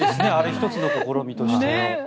１つの試みとして。